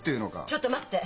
ちょっと待って！